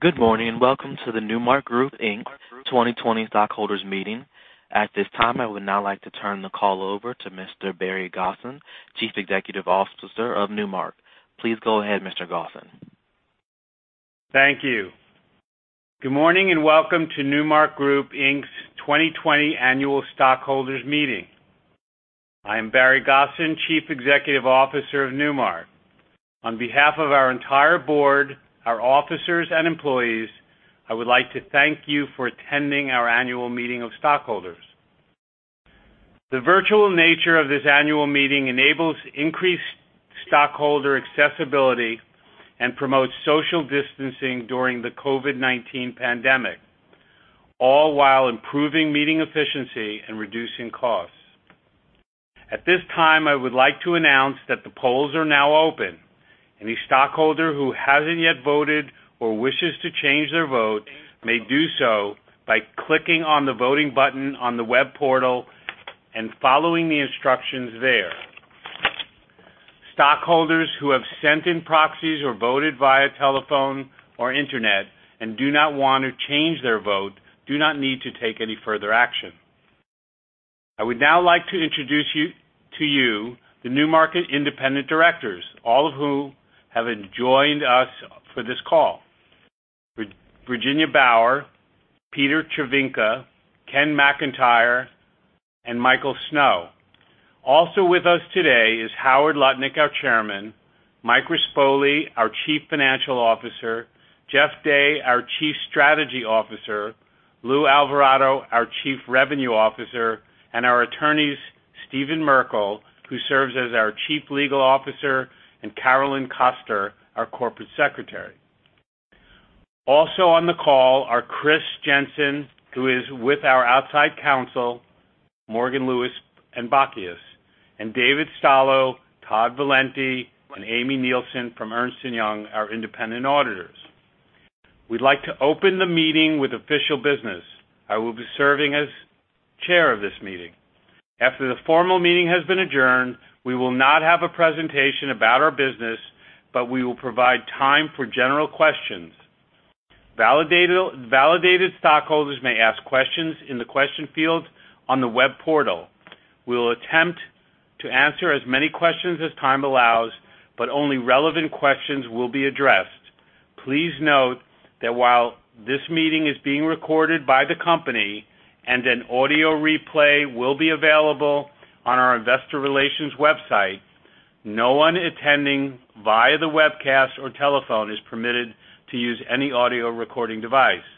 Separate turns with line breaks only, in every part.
Good morning, and welcome to the Newmark Group, Inc. 2020 Stockholders Meeting. At this time, I would now like to turn the call over to Mr. Barry Gosin, Chief Executive Officer of Newmark. Please go ahead, Mr. Gosin.
Thank you. Good morning, and welcome to Newmark Group, Inc.'s 2020 Annual Stockholders Meeting. I am Barry Gosin, Chief Executive Officer of Newmark. On behalf of our entire Board, our officers, and employees, I would like to thank you for attending our annual meeting of stockholders. The virtual nature of this annual meeting enables increased stockholder accessibility and promotes social distancing during the COVID-19 pandemic, all while improving meeting efficiency and reducing costs. At this time, I would like to announce that the polls are now open. Any stockholder who hasn't yet voted or wishes to change their vote may do so by clicking on the voting button on the web portal and following the instructions there. Stockholders who have sent in proxies or voted via telephone or internet and do not want to change their vote do not need to take any further action. I would now like to introduce to you the Newmark independent directors, all of who have joined us for this call. Virginia Bauer, Peter F. Cervinka, Ken McIntyre, and Michael Snow. Also with us today is Howard Lutnick, our Chairman, Mike Rispoli, our Chief Financial Officer, Jeff Day, our Chief Strategy Officer, Lou Alvarado, our Chief Revenue Officer, and our attorneys, Stephen Merkel, who serves as our Chief Legal Officer, and Caroline Koster, our Corporate Secretary. Also on the call are Chris Jensen, who is with our outside counsel, Morgan, Lewis & Bockius, and David Stallo, Todd Valenti, and Amy Nielsen from Ernst & Young, our independent auditors. We'd like to open the meeting with official business. I will be serving as chair of this meeting. After the formal meeting has been adjourned, we will not have a presentation about our business, but we will provide time for general questions. Validated stockholders may ask questions in the question field on the web portal. We will attempt to answer as many questions as time allows, but only relevant questions will be addressed. Please note that while this meeting is being recorded by the company and an audio replay will be available on our investor relations website, no one attending via the webcast or telephone is permitted to use any audio recording device.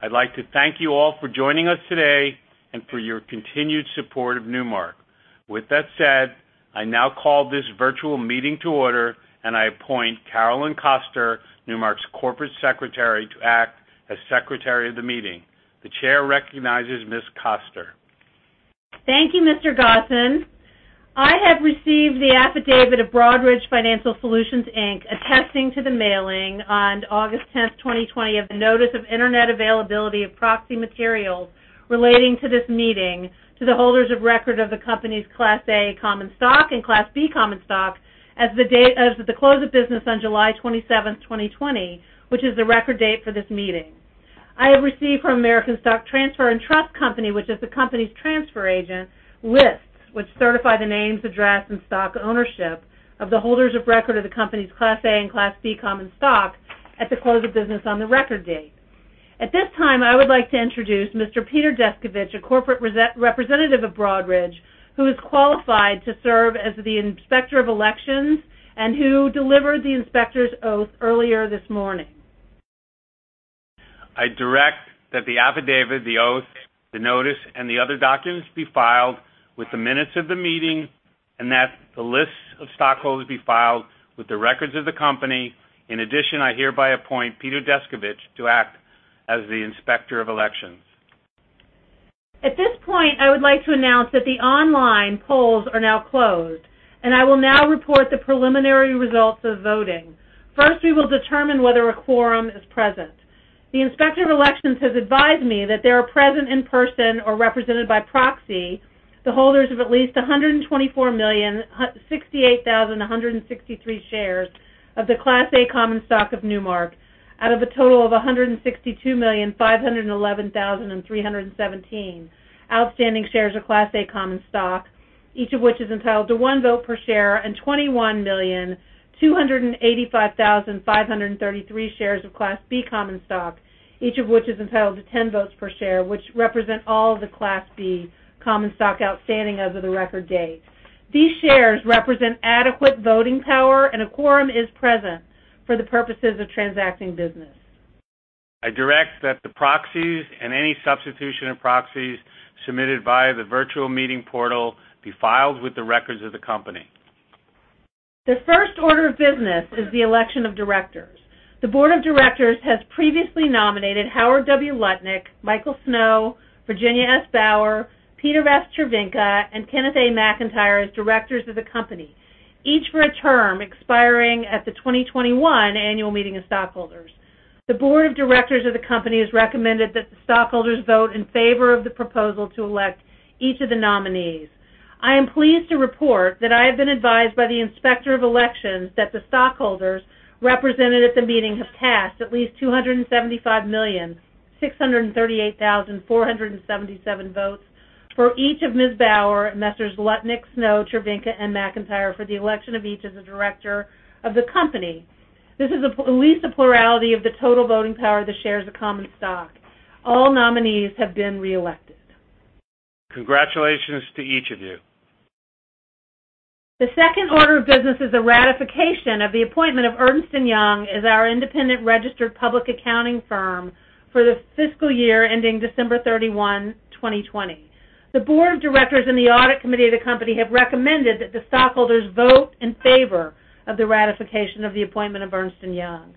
I'd like to thank you all for joining us today and for your continued support of Newmark. With that said, I now call this virtual meeting to order, and I appoint Caroline Koster, Newmark's Corporate Secretary, to act as secretary of the meeting. The chair recognizes Ms. Koster.
Thank you, Mr. Gosin. I have received the affidavit of Broadridge Financial Solutions, Inc. attesting to the mailing on August 10th, 2020, of the notice of internet availability of proxy materials relating to this meeting to the holders of record of the company's Class A common stock and Class B common stock as of the close of business on July 27th, 2020, which is the record date for this meeting. I have received from American Stock Transfer & Trust Company, which is the company's transfer agent, lists which certify the names, address, and stock ownership of the holders of record of the company's Class A and Class B common stock at the close of business on the record date. At this time, I would like to introduce Mr. Peter Deskovich, a corporate representative of Broadridge, who is qualified to serve as the Inspector of Elections and who delivered the inspector's oath earlier this morning.
I direct that the affidavit, the oath, the notice, and the other documents be filed with the minutes of the meeting and that the lists of stockholders be filed with the records of the company. In addition, I hereby appoint Peter Deskovich to act as the Inspector of Elections.
At this point, I would like to announce that the online polls are now closed, and I will now report the preliminary results of voting. First, we will determine whether a quorum is present. The Inspector of Elections has advised me that they are present in person or represented by proxy the holders of at least 124,068,163 shares of the Class A common stock of Newmark out of a total of 162,511,317 outstanding shares of Class A common stock, each of which is entitled to one vote per share, and 21,285,533 shares of Class B common stock, each of which is entitled to 10 votes per share, which represent all of the Class B common stock outstanding as of the record date. These shares represent adequate voting power and a quorum is present for the purposes of transacting business.
I direct that the proxies and any substitution of proxies submitted via the virtual meeting portal be filed with the records of the company.
The first order of business is the election of Directors. The Board of Directors has previously nominated Howard W. Lutnick, Michael Snow, Virginia S. Bauer, Peter F. Cervinka, and Kenneth A. McIntyre as Directors of the company, each for a term expiring at the 2021 annual meeting of stockholders. The Board of Directors of the company has recommended that the stockholders vote in favor of the proposal to elect each of the nominees. I am pleased to report that I have been advised by the Inspector of Elections that the stockholders represented at the meeting have cast at least 275,638,477 votes for each of Ms. Bauer, Messrs. Lutnick, Snow, Cervinka, and McIntyre for the election of each as a Director of the company. This is at least a plurality of the total voting power of the shares of common stock. All nominees have been reelected.
Congratulations to each of you.
The second order of business is the ratification of the appointment of Ernst & Young as our independent registered public accounting firm for the fiscal year ending December 31, 2020. The Board of Directors and the audit committee of the company have recommended that the stockholders vote in favor of the ratification of the appointment of Ernst & Young,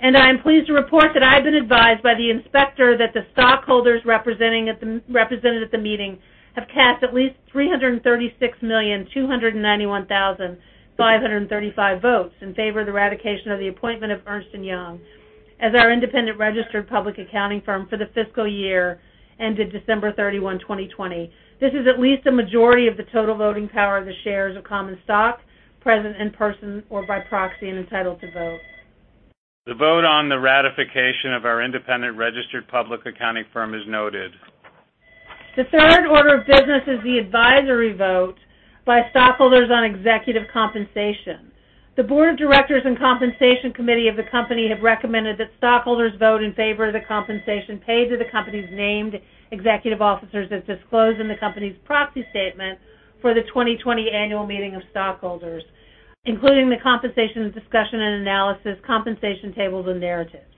and I am pleased to report that I have been advised by the inspector that the stockholders represented at the meeting have cast at least 336,291,535 votes in favor of the ratification of the appointment of Ernst & Young as our independent registered public accounting firm for the fiscal year ended December 31, 2020. This is at least a majority of the total voting power of the shares of common stock present in person or by proxy and entitled to vote.
The vote on the ratification of our independent registered public accounting firm is noted.
The third order of business is the advisory vote by stockholders on executive compensation. The Board of Directors and compensation committee of the company have recommended that stockholders vote in favor of the compensation paid to the company's named executive officers as disclosed in the company's proxy statement for the 2020 annual meeting of stockholders, including the compensation discussion and analysis, compensation tables, and narratives.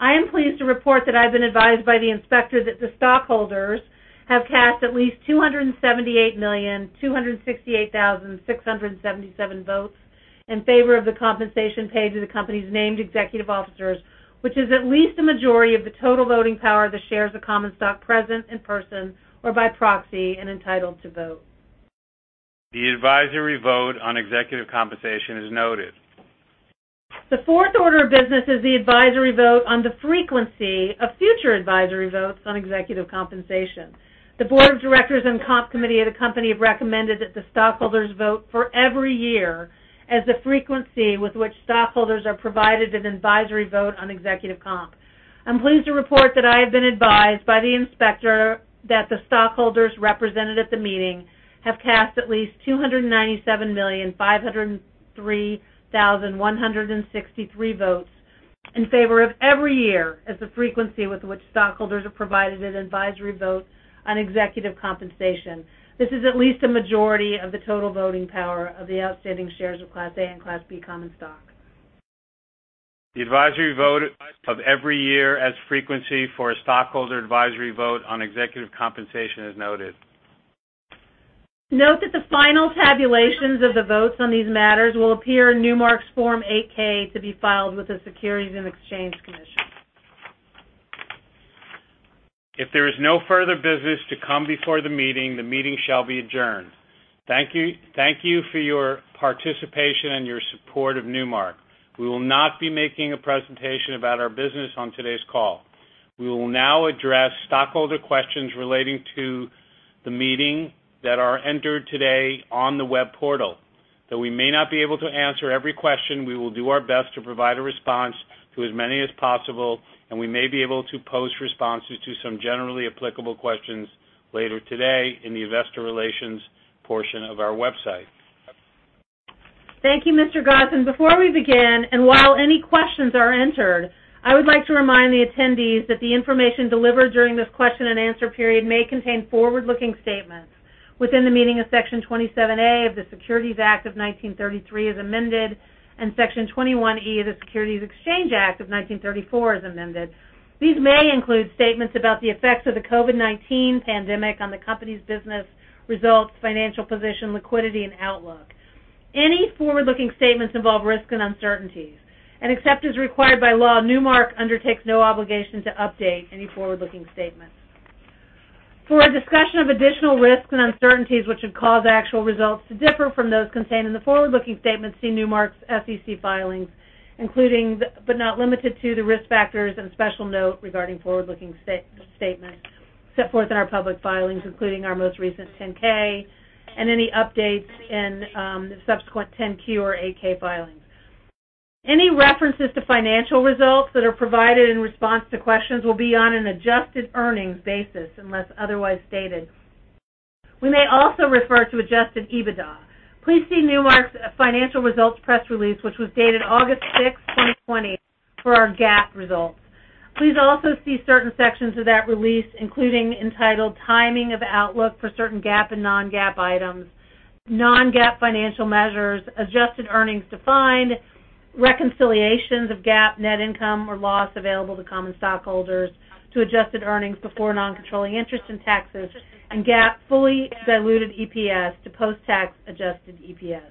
I am pleased to report that I have been advised by the inspector that the stockholders have cast at least 278,268,677 votes in favor of the compensation paid to the company's named executive officers, which is at least a majority of the total voting power of the shares of common stock present in person or by proxy and entitled to vote.
The advisory vote on executive compensation is noted.
The fourth order of business is the advisory vote on the frequency of future advisory votes on executive compensation. The Board of Directors and Comp Committee of the company have recommended that the stockholders vote for every year as the frequency with which stockholders are provided an advisory vote on executive comp. I'm pleased to report that I have been advised by the inspector that the stockholders represented at the meeting have cast at least 297,503,163 votes in favor of every year as the frequency with which stockholders are provided an advisory vote on executive compensation. This is at least a majority of the total voting power of the outstanding shares of Class A and Class B common stock.
The advisory vote of every year as frequency for a stockholder advisory vote on executive compensation is noted.
Note that the final tabulations of the votes on these matters will appear in Newmark's Form 8-K to be filed with the Securities and Exchange Commission.
If there is no further business to come before the meeting, the meeting shall be adjourned. Thank you for your participation and your support of Newmark. We will not be making a presentation about our business on today's call. We will now address stockholder questions relating to the meeting that are entered today on the web portal. Though we may not be able to answer every question, we will do our best to provide a response to as many as possible, and we may be able to post responses to some generally applicable questions later today in the investor relations portion of our website.
Thank you, Mr. Gosin. Before we begin, and while any questions are entered, I would like to remind the attendees that the information delivered during this question and answer period may contain forward-looking statements within the meaning of Section 27A of the Securities Act of 1933 as amended, and Section 21E of the Securities Exchange Act of 1934 as amended. These may include statements about the effects of the COVID-19 pandemic on the company's business results, financial position, liquidity, and outlook. Any forward-looking statements involve risks and uncertainties, and except as required by law, Newmark undertakes no obligation to update any forward-looking statements. For a discussion of additional risks and uncertainties which would cause actual results to differ from those contained in the forward-looking statements, see Newmark's SEC filings, including, but not limited to, the risk factors and special note regarding forward-looking statements set forth in our public filings, including our most recent 10-K and any updates in subsequent 10-Q or 8-K filings. Any references to financial results that are provided in response to questions will be on an adjusted earnings basis unless otherwise stated. We may also refer to adjusted EBITDA. Please see Newmark's financial results press release, which was dated August 6, 2020, for our GAAP results. Please also see certain sections of that release, including entitled timing of outlook for certain GAAP and non-GAAP items, non-GAAP financial measures, adjusted earnings defined, reconciliations of GAAP net income or loss available to common stockholders to adjusted earnings before non-controlling interest and taxes, and GAAP fully diluted EPS to post-tax adjusted EPS.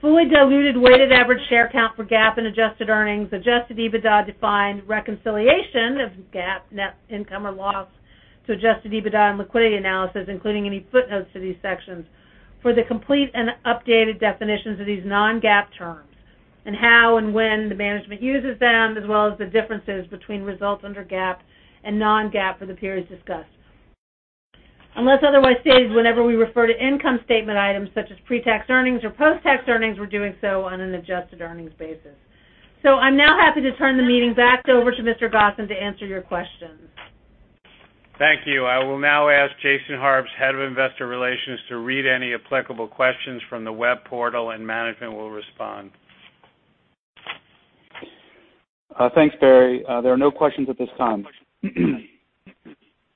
Fully diluted weighted average share count for GAAP and adjusted earnings, adjusted EBITDA defined, reconciliation of GAAP net income or loss to adjusted EBITDA and liquidity analysis, including any footnotes to these sections for the complete and updated definitions of these non-GAAP terms and how and when the management uses them, as well as the differences between results under GAAP and non-GAAP for the periods discussed. Unless otherwise stated, whenever we refer to income statement items such as pre-tax earnings or post-tax earnings, we're doing so on an adjusted earnings basis. I'm now happy to turn the meeting back over to Mr. Gosin to answer your questions.
Thank you. I will now ask Jason, Head of Investor Relations, to read any applicable questions from the web portal and management will respond.
Thanks, Barry. There are no questions at this time.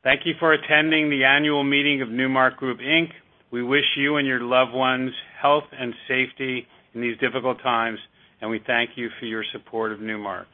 Thank you for attending the annual meeting of Newmark Group, Inc. We wish you and your loved ones health and safety in these difficult times, and we thank you for your support of Newmark.